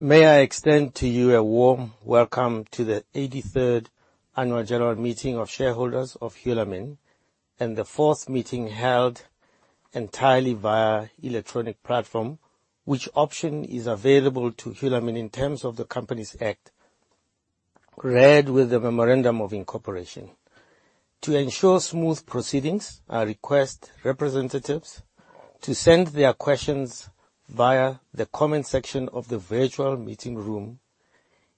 May I extend to you a warm welcome to the 83rd Annual General Meeting of Shareholders of Hulamin, and the fourth meeting held entirely via electronic platform, which option is available to Hulamin in terms of the Companies Act, read with the Memorandum of Incorporation. To ensure smooth proceedings, I request representatives to send their questions via the comment section of the virtual meeting room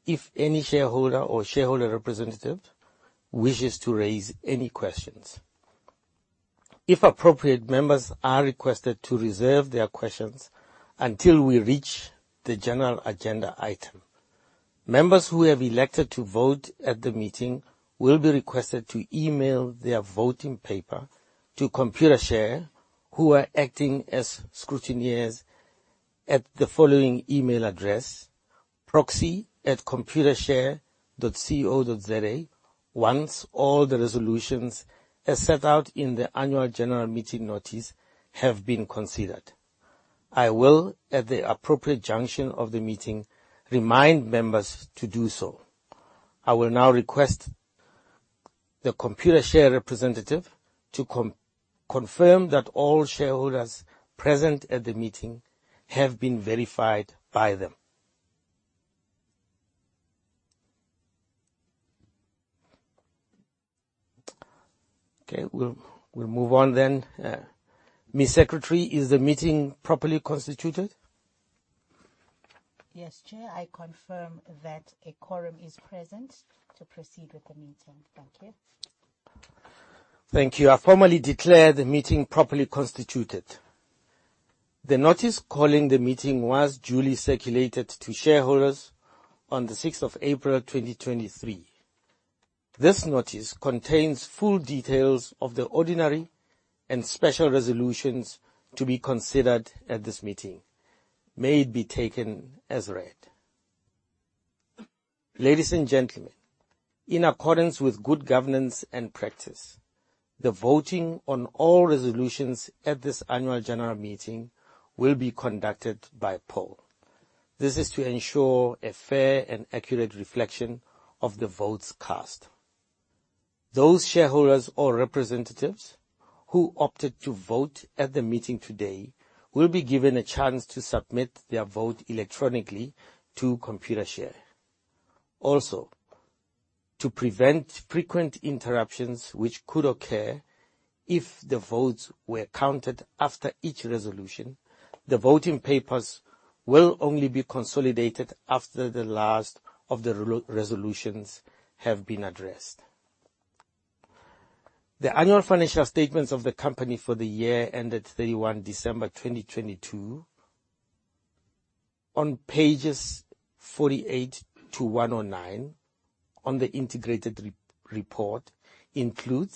if any shareholder or shareholder representative wishes to raise any questions. If appropriate, members are requested to reserve their questions until we reach the general agenda item. Members who have elected to vote at the meeting will be requested to email their voting paper to Computershare, who are acting as scrutineers at the following email address: proxy@computershare.co.za once all the resolutions as set out in the annual general meeting notice have been considered. I will, at the appropriate juncture of the meeting, remind members to do so. I will now request the Computershare representative to confirm that all shareholders present at the meeting have been verified by them. Okay, we'll move on then. Ms. Secretary, is the meeting properly constituted? Yes, Chair. I confirm that a quorum is present to proceed with the meeting. Thank you. Thank you. I formally declare the meeting properly constituted. The notice calling the meeting was duly circulated to shareholders on the 6th of April, 2023. This notice contains full details of the ordinary and special resolutions to be considered at this meeting. May it be taken as read. Ladies, and gentlemen, in accordance with good governance and practice, the voting on all resolutions at this annual general meeting will be conducted by poll. This is to ensure a fair and accurate reflection of the votes cast. Those shareholders or representatives who opted to vote at the meeting today will be given a chance to submit their vote electronically to Computershare. Also, to prevent frequent interruptions which could occur if the votes were counted after each resolution, the voting papers will only be consolidated after the last of the resolutions have been addressed. The annual financial statements of the company for the year ended 31 December 2022 on pages 48-109 of the integrated report include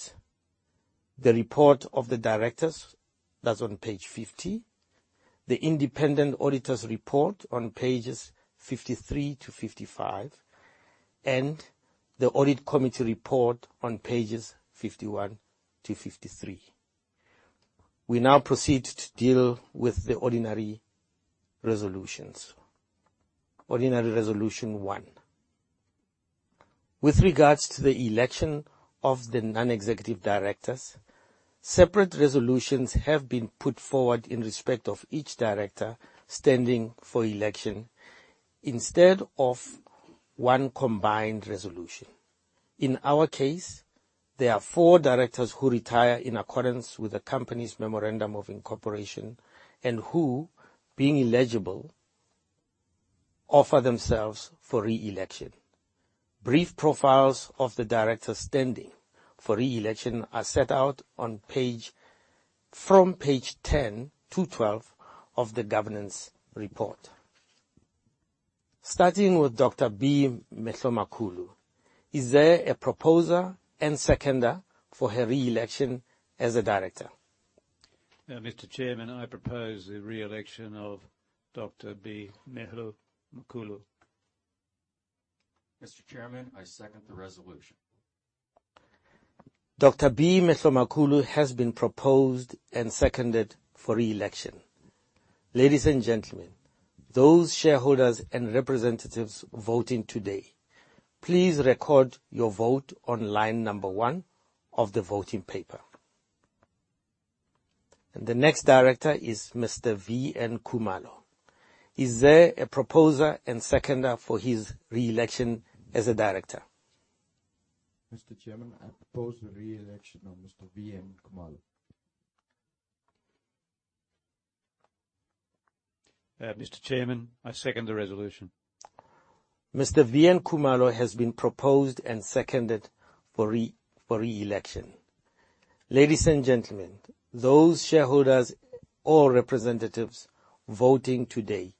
the report of the directors, that's on page 50, the independent auditor's report on pages 53-55, and the audit committee report on pages 51-53. We now proceed to deal with the ordinary resolutions. Ordinary Resolution One. With regards to the election of the non-executive directors, separate resolutions have been put forward in respect of each director standing for election instead of one combined resolution. In our case, there are four directors who retire in accordance with the company's Memorandum of Incorporation, and who, being eligible, offer themselves for re-election. Brief profiles of the directors standing for re-election are set out on pages 10-12 of the governance report. Starting with Dr. B. Mehlomakulu, is there a proposer and seconder for her re-election as a Director? Mr. Chairman, I propose the re-election of Dr. B. Mehlomakulu. Mr. Chairman, I second the resolution. Dr. B. Mehlomakulu has been proposed and seconded for re-election. Ladies, and gentlemen, those shareholders and representatives voting today, please record your vote on line number one of the voting paper. The next Director is Mr. V.N. Khumalo. Is there a proposer and seconder for his re-election as a Director? Mr. Chairman, I propose the re-election of Mr. V.N. Khumalo. Mr. Chairman, I second the resolution. Mr. V.N. Khumalo has been proposed and seconded for re-election. Ladies, and gentlemen, those shareholders or representatives voting today,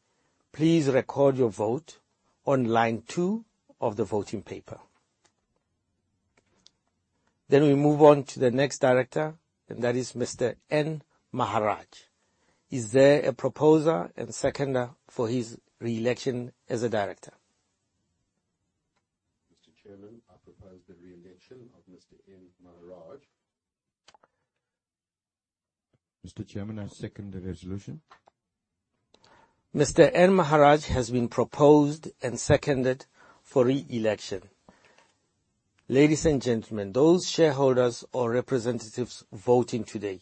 please record your vote on line two of the voting paper. We move on to the next Director, and that is Mr. N. Maharaj. Is there a proposer and seconder for his re-election as a Director? Mr. Chairman, I propose the re-election of Mr. N. Maharaj. Mr. Chairman, I second the resolution. Mr. N. Maharaj has been proposed and seconded for reelection. Ladies, and gentlemen, those shareholders or representatives voting today,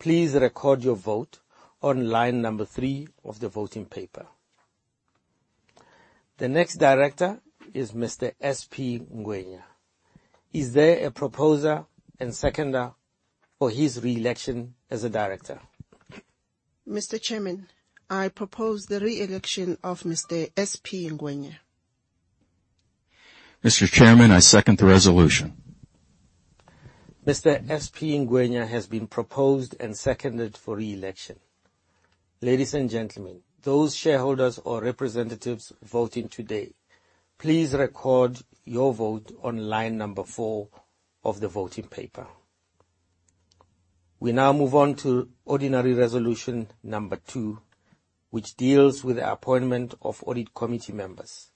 please record your vote on line number three of the voting paper. The next Director is Mr. S.P. Ngwenya. Is there a proposer and seconder for his reelection as a Director? Mr. Chairman, I propose the re-election of Mr. S.P. Ngwenya. Mr. Chairman, I second the resolution. Mr. S.P. Ngwenya has been proposed and seconded for reelection. Ladies, and gentlemen, those shareholders or representatives voting today, please record your vote on line number four of the voting paper. We now move on to Ordinary Resolution number 2, which deals with the appointment of audit committee members.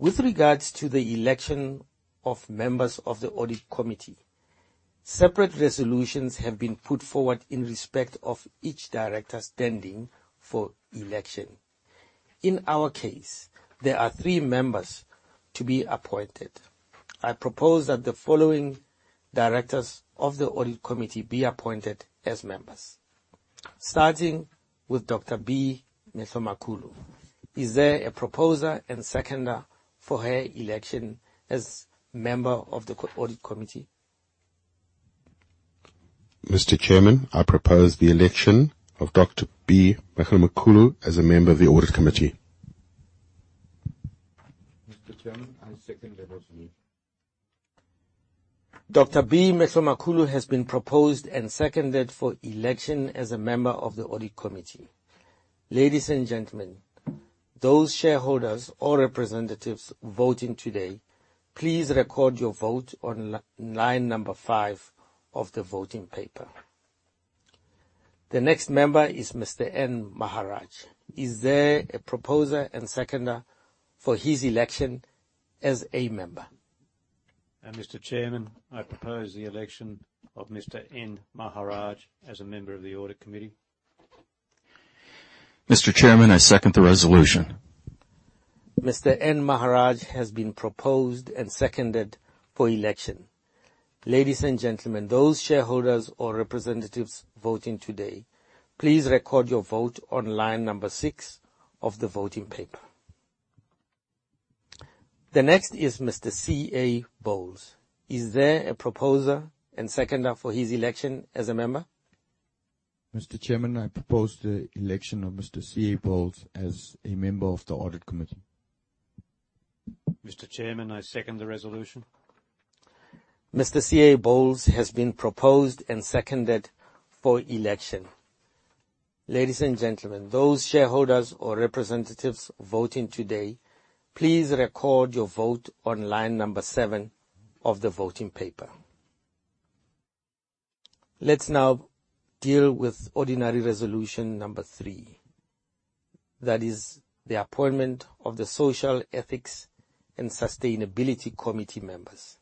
With regards to the election of members of the audit committee, separate resolutions have been put forward in respect of each director standing for election. In our case, there are three members to be appointed. I propose that the following directors of the audit committee be appointed as members. Starting with Dr. B. Mehlomakulu. Is there a proposer and seconder for her election as Member of the Audit Committee? Mr. Chairman, I propose the election of Dr. B. Mehlomakulu as a Member of the Audit Committee. Mr. Chairman, I second the resolution. Dr. B. Mehlomakulu has been proposed and seconded for election as a Member of the Audit Committee. Ladies, and gentlemen, those shareholders or representatives voting today, please record your vote on line number five of the voting paper. The next member is Mr. N. Maharaj. Is there a proposer and seconder for his election as a member? Mr. Chairman, I propose the election of Mr. N. Maharaj as a Member of the Audit Committee. Mr. Chairman, I second the resolution. Mr. N. Maharaj has been proposed and seconded for election. Ladies, and gentlemen, those shareholders or representatives voting today, please record your vote on line number six of the voting paper. The next is Mr. C.A. Boles. Is there a proposer and seconder for his election as a member? Mr. Chairman, I propose the election of Mr. C.A. Boles as a Member of the Audit Committee. Mr. Chairman, I second the resolution. Mr. C.A. Boles has been proposed and seconded for election. Ladies, and gentlemen, those shareholders or representatives voting today, please record your vote on line number seven of the voting paper. Let's now deal with Ordinary Resolution number 3. That is the appointment of the Social, Ethics, and Sustainability Committee members.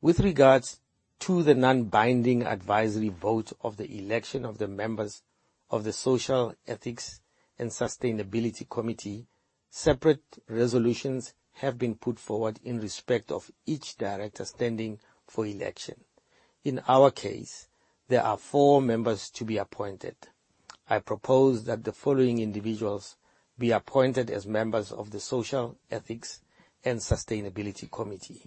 With regards to the non-binding advisory vote of the election of the members of the Social, Ethics, and Sustainability Committee, separate resolutions have been put forward in respect of each director standing for election. In our case, there are four members to be appointed. I propose that the following individuals be appointed as members of the Social, Ethics, and Sustainability Committee.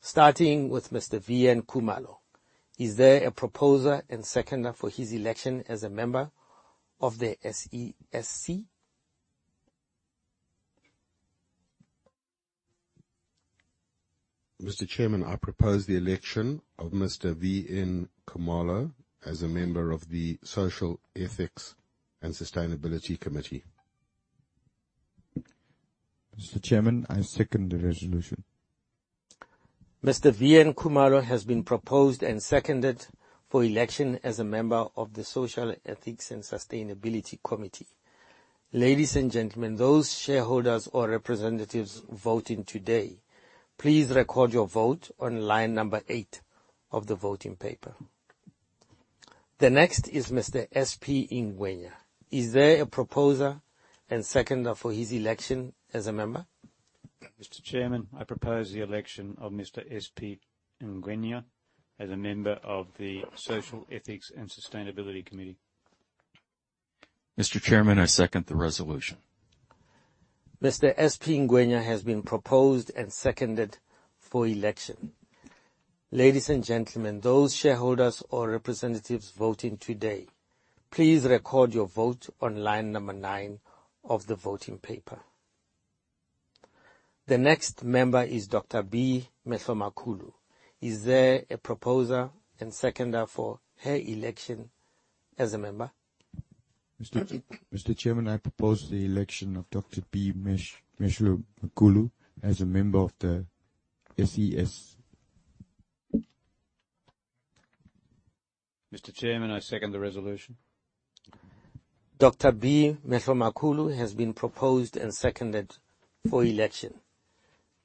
Starting with Mr. V.N. Khumalo. Is there a proposer and seconder for his election as a Member of the SESC? Mr. Chairman, I propose the election of Mr. V.N. Khumalo as a Member of the Social, Ethics, and Sustainability Committee. Mr. Chairman, I second the resolution. Mr. V.N. Khumalo has been proposed and seconded for election as a Member of the Social, Ethics, and Sustainability Committee. Ladies, and gentlemen, those shareholders or representatives voting today, please record your vote on line number eight of the voting paper. The next is Mr. S.P. Ngwenya. Is there a proposer and seconder for his election as a member? Mr. Chairman, I propose the election of Mr. S.P. Ngwenya as a Member of the Social, Ethics, and Sustainability Committee. Mr. Chairman, I second the resolution. Mr. S.P. Ngwenya has been proposed and seconded for election. Ladies, and gentlemen, those shareholders or representatives voting today, please record your vote on line number nine of the voting paper. The next member is Dr. B. Mehlomakulu. Is there a proposer and seconder for her election as a member? Mr. Chairman, I propose the election of Dr. B. Mehlomakulu as a Member of the SES. Mr. Chairman, I second the resolution. Dr. B. Mehlomakulu has been proposed and seconded for election.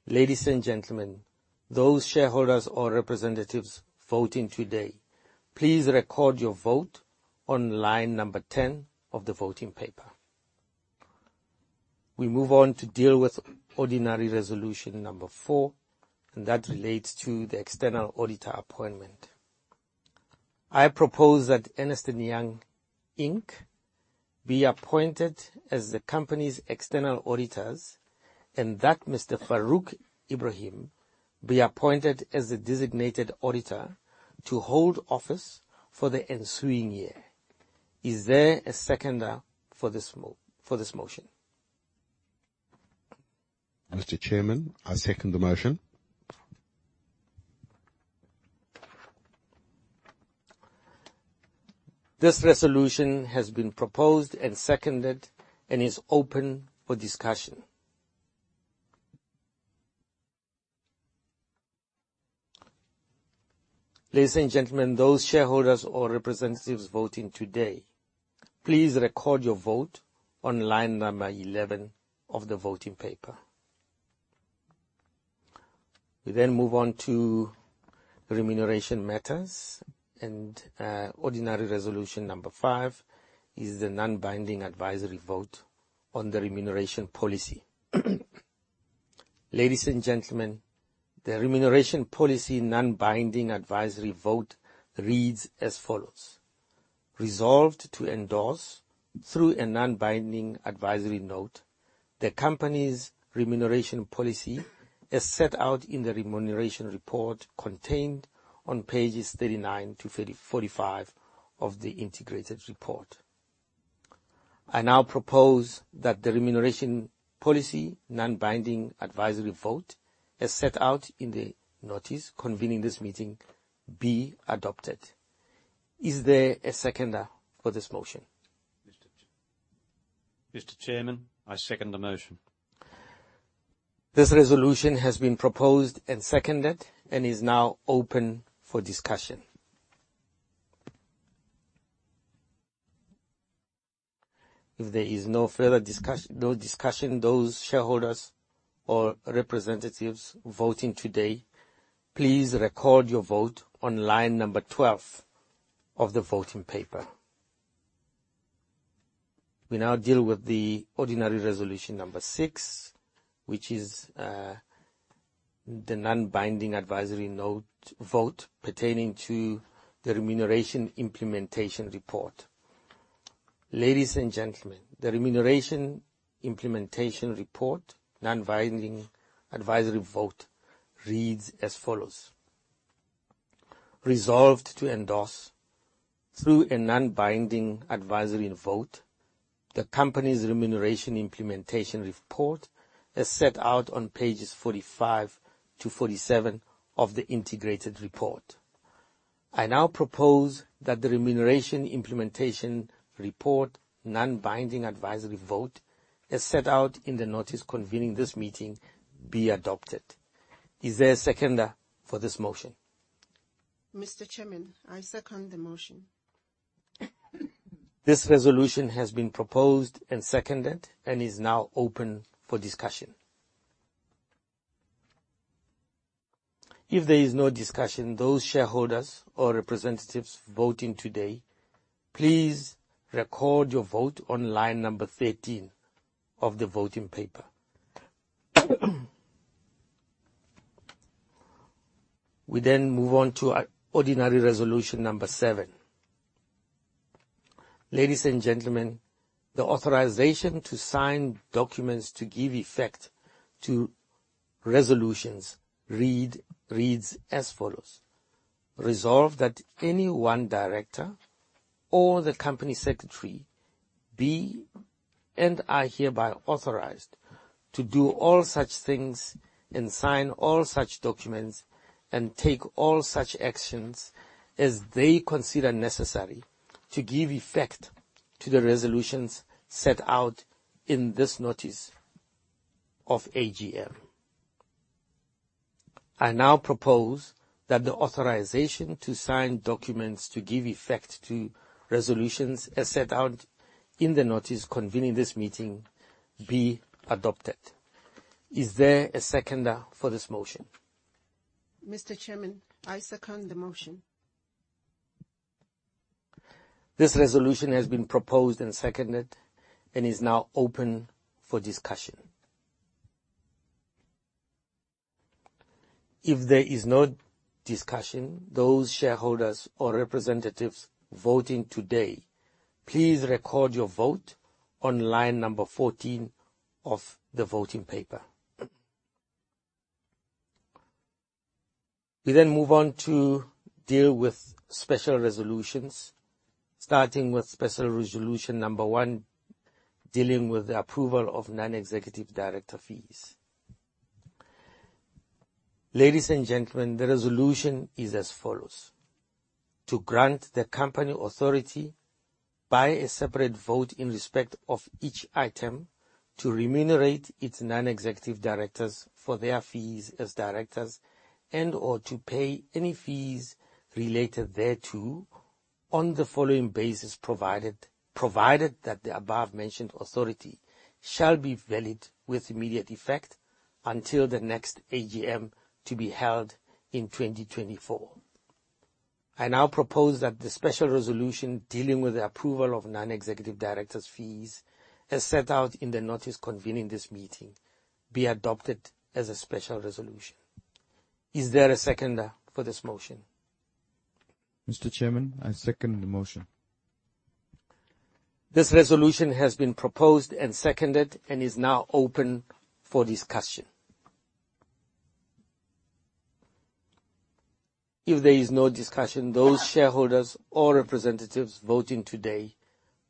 Ladies, and gentlemen, those shareholders or representatives voting today, please record your vote on line number 10 of the voting paper. We move on to deal with Ordinary Resolution number 4, and that relates to the external auditor appointment. I propose that Ernst & Young Inc, be appointed as the company's external auditors, and that Mr. Farouk Ebrahim be appointed as the designated auditor to hold office for the ensuing year. Is there a seconder for this motion? Mr. Chairman, I second the motion. This resolution has been proposed and seconded and is open for discussion. Ladies, and gentlemen, those shareholders or representatives voting today, please record your vote on line number 11 of the voting paper. We move on to remuneration matters and Ordinary Resolution number 5 is the non-binding advisory vote on the remuneration policy. Ladies, and gentlemen, the remuneration policy non-binding advisory vote reads as follows: Resolved to endorse through a non-binding advisory vote the company's remuneration policy as set out in the remuneration report contained on pages 39-45 of the integrated report. I now propose that the remuneration policy non-binding advisory vote as set out in the notice convening this meeting be adopted. Is there a seconder for this motion? Mr. Chairman, I second the motion. This resolution has been proposed and seconded and is now open for discussion. If there is no further discussion, those shareholders or representatives voting today, please record your vote on line number 12 of the voting paper. We now deal with the Ordinary Resolution number 6, which is the non-binding advisory vote pertaining to the remuneration implementation report. Ladies, and gentlemen, the remuneration implementation report non-binding advisory vote reads as follows: resolved to endorse through a non-binding advisory vote the company's remuneration implementation report as set out on pages 45-47 of the integrated report. I now propose that the remuneration implementation report non-binding advisory vote as set out in the notice convening this meeting be adopted. Is there a seconder for this motion? Mr. Chairman, I second the motion. This resolution has been proposed and seconded and is now open for discussion. If there is no discussion, those shareholders or representatives voting today, please record your vote on line number 13 of the voting paper. We then move on to Ordinary Resolution number 7. Ladies, and gentlemen, the authorization to sign documents to give effect to resolutions reads as follows. Resolve that any one director or the company secretary be, and are hereby authorized to do all such things and sign all such documents and take all such actions as they consider necessary to give effect to the resolutions set out in this notice of AGM. I now propose that the authorization to sign documents to give effect to resolutions as set out in the notice convening this meeting be adopted. Is there a seconder for this motion? Mr. Chairman, I second the motion. This resolution has been proposed and seconded and is now open for discussion. If there is no discussion, those shareholders or representatives voting today, please record your vote on line number 14 of the voting paper. We then move on to deal with special resolutions, starting with Special Resolution number 1, dealing with the approval of Non-Executive Director fees. Ladies, and gentlemen, the resolution is as follows: to grant the company authority by a separate vote in respect of each item to remunerate its non-executive directors for their fees as directors and/or to pay any fees related thereto on the following basis, provided that the above-mentioned authority shall be valid with immediate effect until the next AGM to be held in 2024. I now propose that the special resolution dealing with the approval of non-executive directors' fees, as set out in the notice convening this meeting, be adopted as a special resolution. Is there a seconder for this motion? Mr. Chairman, I second the motion. This resolution has been proposed and seconded and is now open for discussion. If there is no discussion, those shareholders or representatives voting today,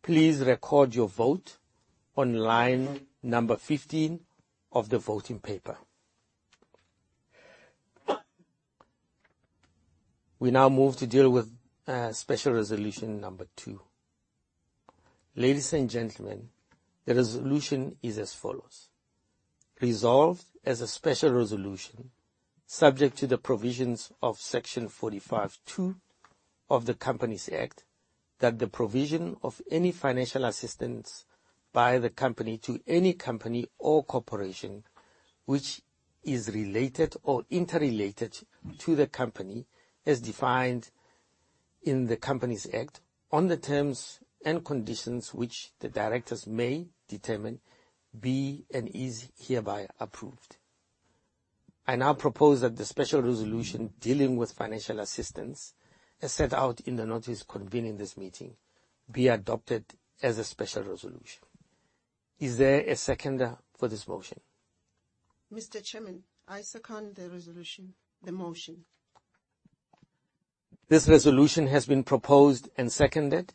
please record your vote on line number 15 of the voting paper. We now move to deal with Special Resolution number 2. Ladies, and gentlemen, the resolution is as follows. Resolved as a special resolution subject to the provisions of Section 45(2) of the Companies Act, that the provision of any financial assistance by the company to any company or corporation which is related or interrelated to the company, as defined in the Companies Act on the terms and conditions which the directors may determine, be and is hereby approved. I now propose that the special resolution dealing with financial assistance, as set out in the notice convening this meeting, be adopted as a special resolution. Is there a seconder for this motion? Mr. Chairman, I second the resolution, the motion. This resolution has been proposed and seconded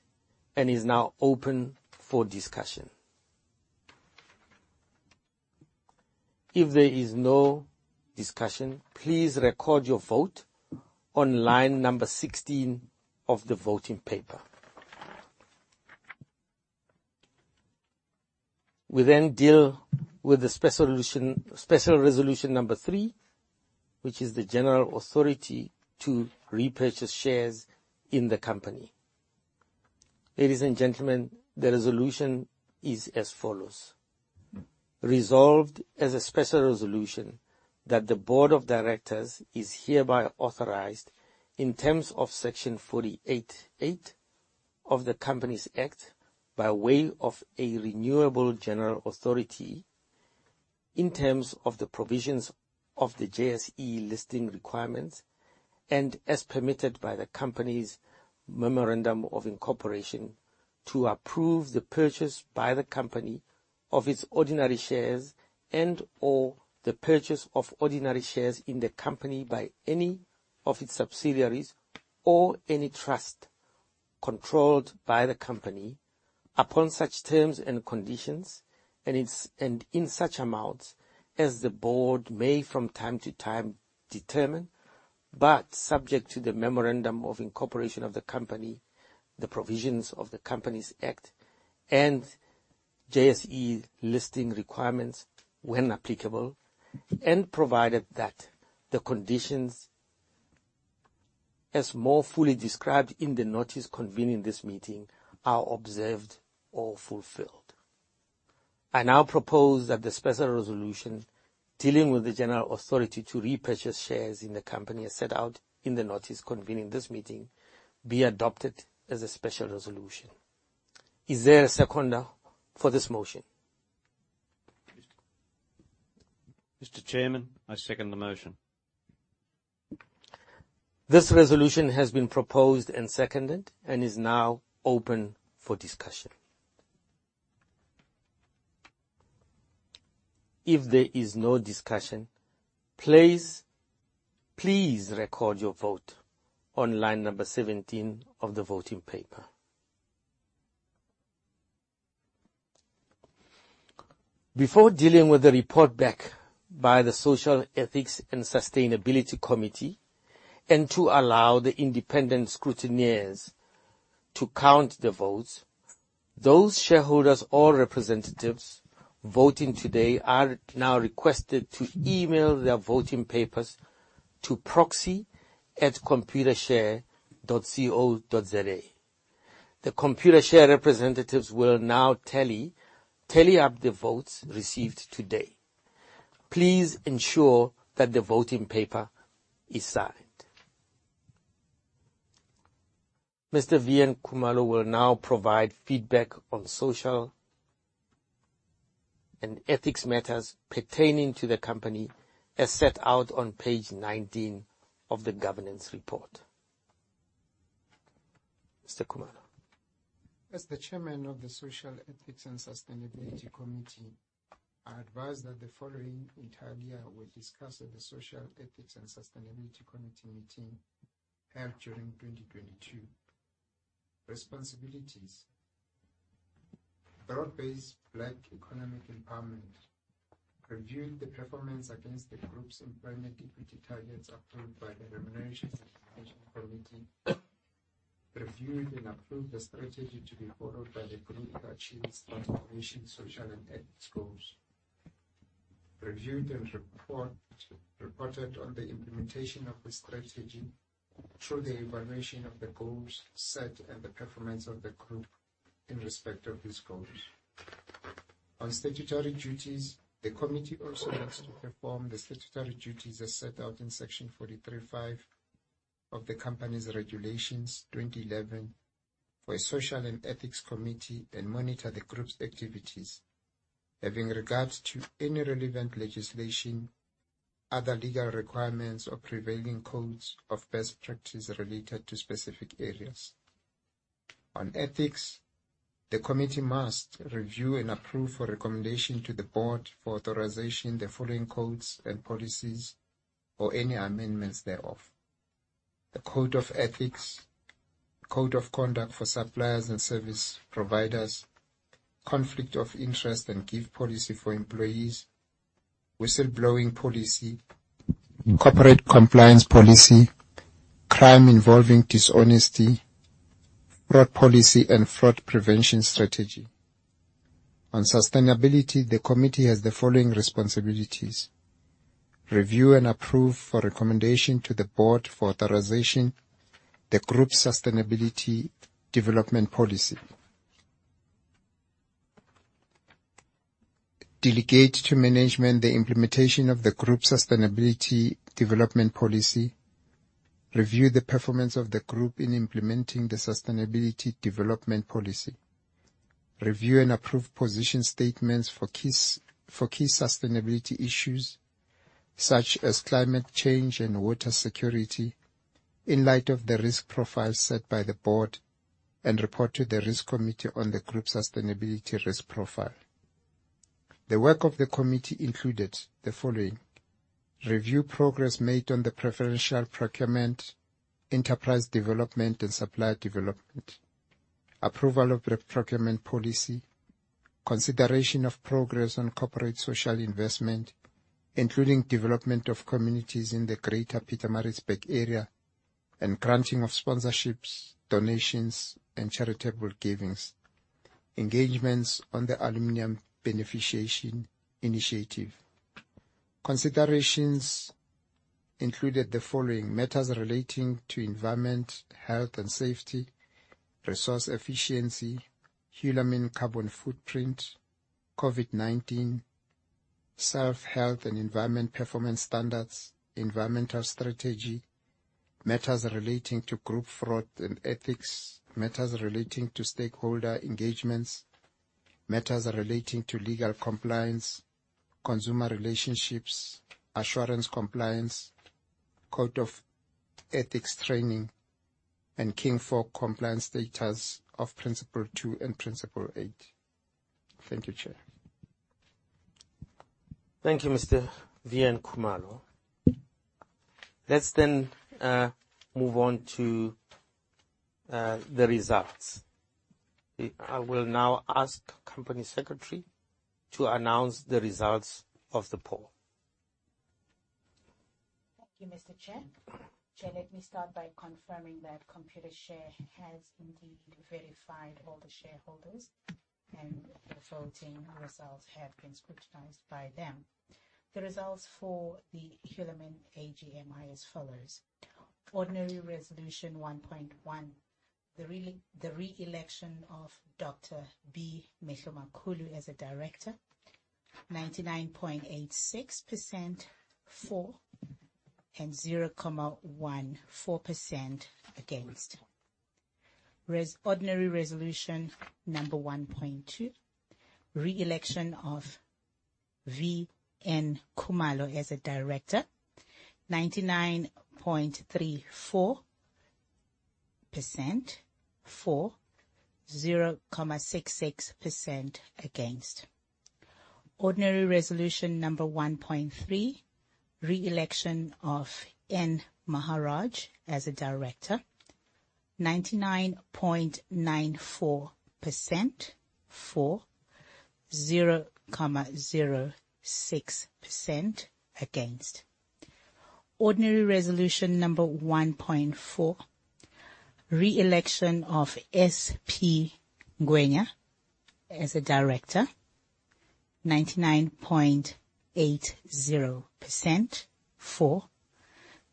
and is now open for discussion. If there is no discussion, please record your vote on line number 16 of the voting paper. We deal with the Special Resolution number 3, which is the general authority to repurchase shares in the company. Ladies, and gentlemen, the resolution is as follows: resolved as a special resolution that the board of directors is hereby authorized, in terms of Section 48(8) of the Companies Act, by way of a renewable general authority, in terms of the provisions of the JSE listing requirements, and as permitted by the company's Memorandum of Incorporation, to approve the purchase by the company of its ordinary shares and/or the purchase of ordinary shares in the company by any of its subsidiaries or any trust controlled by the company upon such terms and conditions and in such amounts as the board may from time-to-time determine, but subject to the Memorandum of Incorporation of the company, the provisions of the Companies Act and JSE listing requirements when applicable, and provided that the conditions as more fully described in the notice convening this meeting are observed or fulfilled. I now propose that the special resolution dealing with the general authority to repurchase shares in the company, as set out in the notice convening this meeting, be adopted as a special resolution. Is there a seconder for this motion? Mr. Chairman, I second the motion. This resolution has been proposed and seconded and is now open for discussion. If there is no discussion, please record your vote on line number 17 of the voting paper. Before dealing with the report back by the Social, Ethics, and Sustainability Committee, and to allow the independent scrutineers to count the votes, those shareholders or representatives voting today are now requested to email their voting papers to proxy@computershare.co.za. The Computershare representatives will now tally up the votes received today. Please ensure that the voting paper is signed. Mr. V.N. Khumalo will now provide feedback on social and ethics matters pertaining to the company, as set out on page 19 of the governance report. Mr. Khumalo. As the Chairman of the Social, Ethics, and Sustainability Committee, I advise that the following entire year were discussed at the Social, Ethics, and Sustainability Committee meeting held during 2022. Responsibilities. Broad-Based Black Economic Empowerment. Reviewed the performance against the group's employment equity targets approved by the Remuneration and Nomination Committee. Reviewed and approved the strategy to be followed by the group to achieve its transformation social and ethics goals. Reviewed and reported on the implementation of the strategy through the evaluation of the goals set and the performance of the group in respect of these goals. On statutory duties, the committee also looks to perform the statutory duties as set out in Regulation 43(5) of the Companies Regulations, 2011 for a Social and Ethics Committee and monitor the group's activities, having regard to any relevant legislation, other legal requirements, or prevailing codes of best practice related to specific areas. On ethics, the committee must review and approve for recommendation to the board for authorization, the following codes and policies or any amendments thereof. The Code of Ethics, Code of Conduct for Suppliers and Service Providers, Conflict of Interest and Gift Policy for Employees, Whistleblowing Policy, Corporate Compliance Policy, Crime Involving Dishonesty, Fraud Policy and Fraud Prevention Strategy. On sustainability, the committee has the following responsibilities. Review and approve for recommendation to the board for authorization the group's sustainability development policy. Delegate to management the implementation of the group's sustainability development policy. Review the performance of the group in implementing the sustainability development policy. Review and approve position statements for key sustainability issues such as climate change and water security in light of the risk profile set by the board, and report to the risk committee on the group's sustainability risk profile. The work of the committee included the following. Review progress made on the preferential procurement, enterprise development and supplier development. Approval of the procurement policy. Consideration of progress on corporate social investment, including development of communities in the greater Pietermaritzburg area and granting of sponsorships, donations, and charitable giving. Engagements on the aluminum beneficiation initiative. Considerations included the following. Matters relating to environment, health and safety, resource efficiency, Hulamin carbon footprint, COVID-19, safe health and environment performance standards, environmental strategy, matters relating to group fraud and ethics, matters relating to stakeholder engagements, matters relating to legal compliance, consumer relationships, assurance compliance, code of ethics training, and King IV compliance status of Principle 2 and Principle 8. Thank you, Chair. Thank you, Mr. V.N. Khumalo. Let's then move on to the results. I will now ask Company Secretary to announce the results of the poll. Thank you, Mr. Chair. Chair, let me start by confirming that Computershare has indeed verified all the shareholders, and the voting results have been scrutinized by them. The results for the Hulamin AGM are as follows. Ordinary Resolution 1.1, the re-election of Dr. B. Mehlomakulu as a director, 99.86% for and 0.14% against. Ordinary Resolution number 1.2, re-election of V.N. Khumalo as a director, 99.34% for, 0.66% against. Ordinary Resolution number 1.3, re-election of N. Maharaj as a director, 99.94% for, 0.06% against. Ordinary Resolution number 1.4, re-election of S.P. Ngwenya as a director, 99.80% for,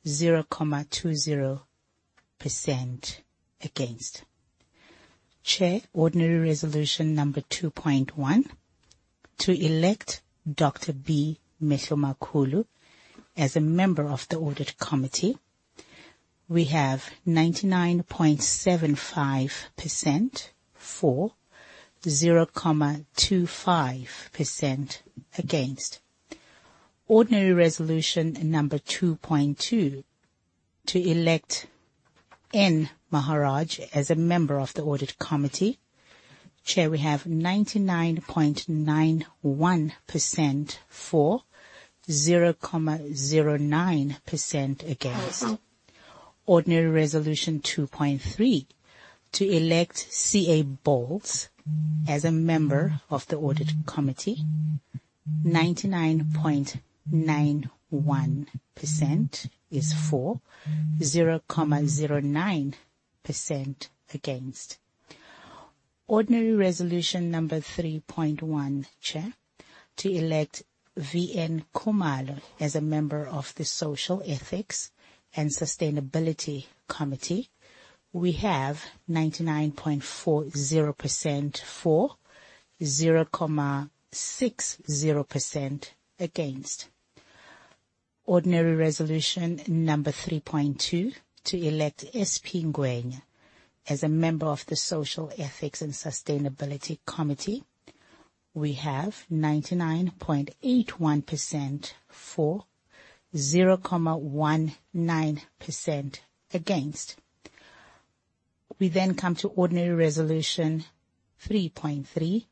0.20% against. Chair, Ordinary Resolution number 2.1 to elect Dr. B. Mehlomakulu as a Member of the Audit Committee. We have 99.75% for, 0.25% against. Ordinary Resolution number 2.2 to elect N. Maharaj as a Member of the Audit Committee, Chair. We have 99.91% for, 0.09% against. Ordinary Resolution 2.3 to elect C.A. Boles as a Member of the Audit Committee. 99.91% is for, 0.09% against. Ordinary Resolution number 3.1, Chair, to elect V.N. Khumalo as a Member of the Social, Ethics, and Sustainability Committee. We have 99.40% for, 0.60% against. Ordinary Resolution number 3.2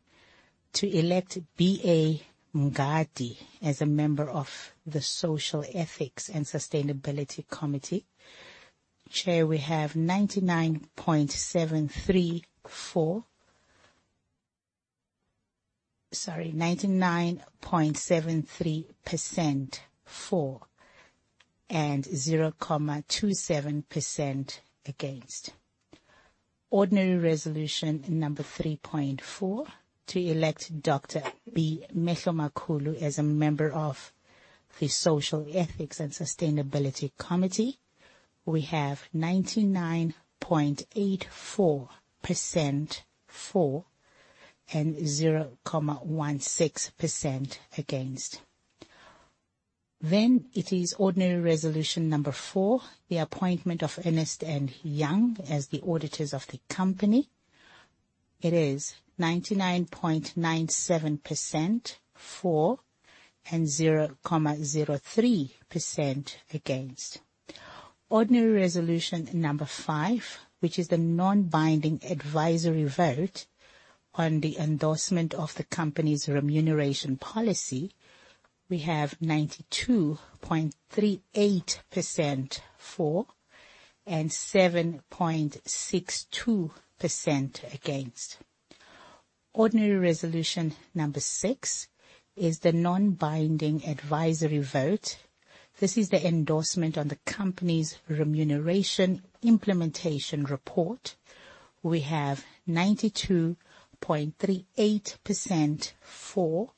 to elect S.P. Ngwenya as a Member of the Social, Ethics, and Sustainability Committee. We have 99.81% for, 0.19% against. We then come to Ordinary Resolution 3.3 to elect B.A. Mngadi as a Member of the Social, Ethics, and Sustainability Committee. Chair, we have 99.73% for. Sorry, 99.73% for, and 0.27% against. Ordinary Resolution number 3.4 to elect Dr. B. Mehlomakulu as a Member of the Social, Ethics, and Sustainability Committee. We have 99.84% for and 0.16% against. It is Ordinary Resolution number 4, the appointment of Ernst & Young as the auditors of the company. It is 99.97% for and 0.03% against. Ordinary Resolution number 5, which is the non-binding advisory vote on the endorsement of the company's remuneration policy. We have 92.38% for and 7.62% against. Ordinary Resolution number 6 is the non-binding advisory vote. This is the endorsement on the company's remuneration implementation report. We have 92.38% for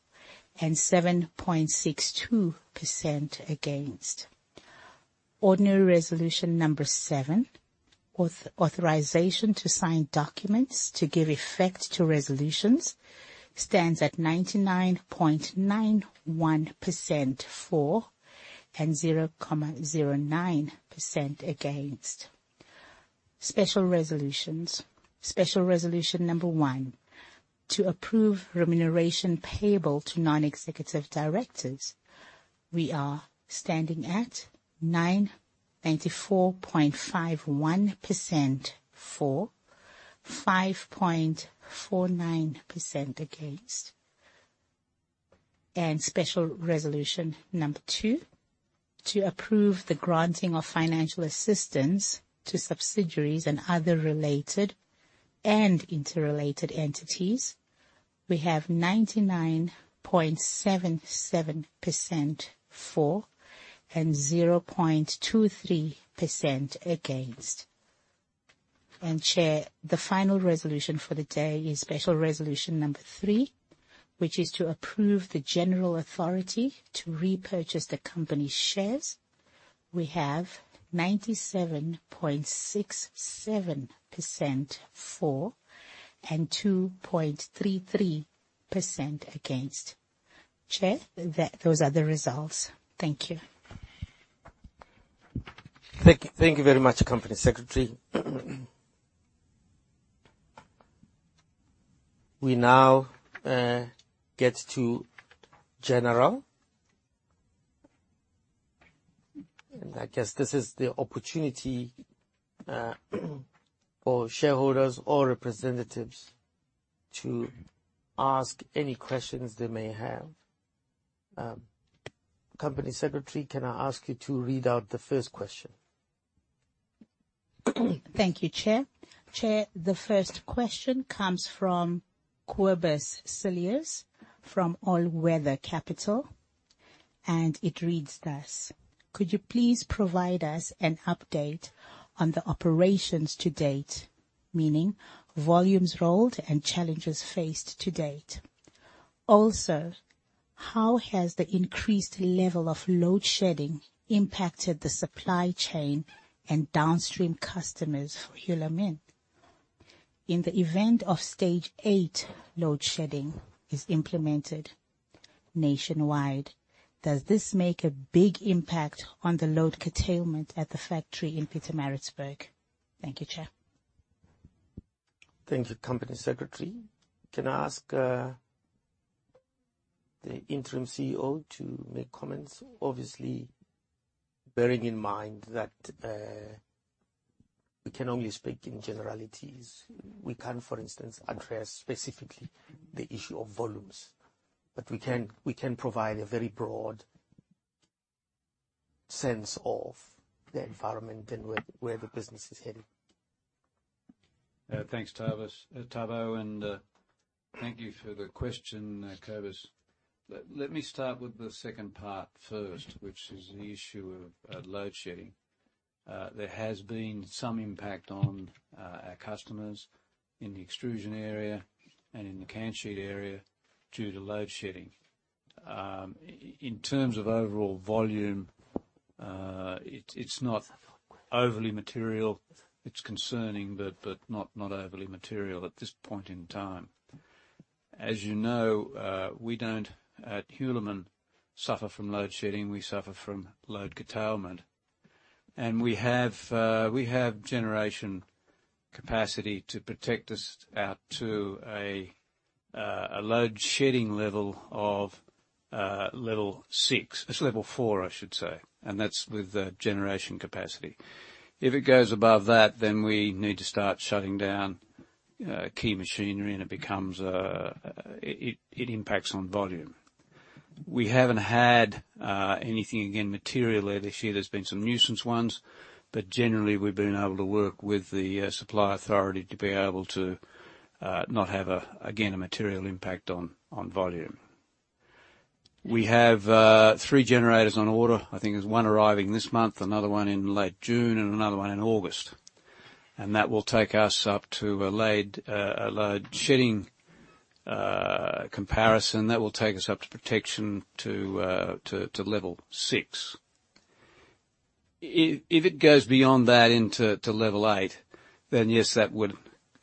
and 7.62% against. Ordinary Resolution number 7, authorization to sign documents to give effect to resolutions stands at 99.91% for and 0.09% against. Special resolutions. Special Resolution number 1, to approve remuneration payable to non-executive directors. We are standing at 94.51% for, 5.49% against. Special Resolution number 2, to approve the granting of financial assistance to subsidiaries and other related and interrelated entities. We have 99.77% for and 0.23% against. Chair, the final resolution for the day is special Resolution number 3, which is to approve the general authority to repurchase the company's shares. We have 97.67% for and 2.33% against. Chair, those are the results. Thank you. Thank you very much, Company Secretary. We now get to general. I guess this is the opportunity for shareholders or representatives to ask any questions they may have. Company Secretary, can I ask you to read out the first question? Thank you, Chair. Chair, the first question comes from Cobus Cilliers from All Weather Capital, and it reads thus: Could you please provide us an update on the operations to date, meaning volumes rolled and challenges faced to date? Also, how has the increased level of load shedding impacted the supply chain and downstream customers for Hulamin? In the event of stage 8 load shedding is implemented nationwide, does this make a big impact on the load curtailment at the factory in Pietermaritzburg? Thank you, Chair. Thank you, Company Secretary. Can I ask the Interim CEO to make comments, obviously bearing in mind that we can only speak in generalities. We can't, for instance, address specifically the issue of volumes. We can provide a very broad sense of the environment and where the business is heading. Thanks, Thabo. Thank you for the question, Cobus. Let me start with the second part first, which is the issue of load shedding. There has been some impact on our customers in the extrusion area and in the can sheet area due to load shedding. In terms of overall volume, it's not overly material. It's concerning, but not overly material at this point in time. As you know, we don't, at Hulamin, suffer from load shedding, we suffer from load curtailment. We have generation capacity to protect us out to a load shedding level of level 6. It's level 4, I should say, and that's with the generation capacity. If it goes above that, then we need to start shutting down key machinery and it becomes. It impacts on volume. We haven't had anything, again, material this year. There's been some nuisance ones. Generally, we've been able to work with the supply authority to be able to not have a, again, a material impact on volume. We have three generators on order. I think there's one arriving this month, another one in late June, and another one in August. That will take us up to a load shedding comparison. That will take us up to protection to level 6. If it goes beyond that into level 8, then, yes, that would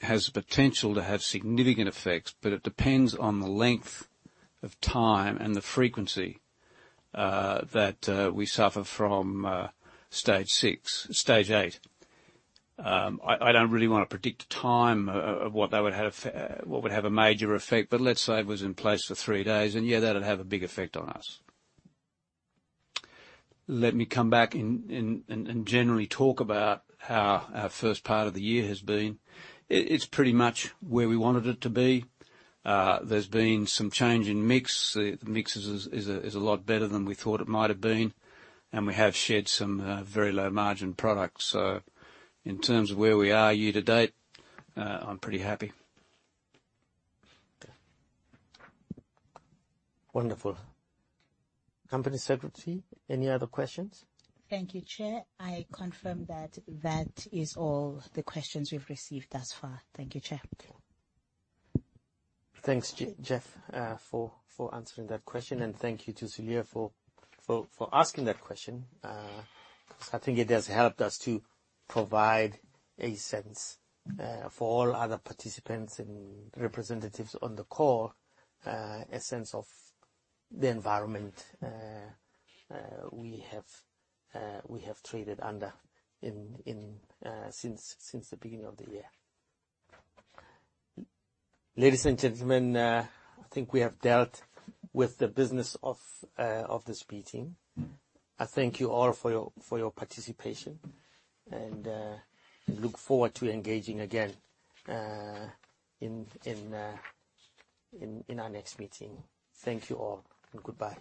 have the potential to have significant effects, but it depends on the length of time and the frequency that we suffer from stage 6, stage 8. I don't really wanna predict a time of what would have a major effect. Let's say it was in place for three days and yeah, that'd have a big effect on us. Let me come back and generally talk about how our first part of the year has been. It's pretty much where we wanted it to be. There's been some change in mix. The mix is a lot better than we thought it might have been. We have shed some very low margin products. In terms of where we are year-to-date, I'm pretty happy. Wonderful. Company Secretary, any other questions? Thank you, Chair. I confirm that is all the questions we've received thus far. Thank you, Chair. Thanks, Geoff, for answering that question. Thank you to Cilliers for asking that question. 'Cause I think it has helped us to provide a sense for all other participants and representatives on the call a sense of the environment we have traded under in since the beginning of the year. Ladies, and gentlemen, I think we have dealt with the business of this meeting. I thank you all for your participation and look forward to engaging again in our next meeting. Thank you all and goodbye.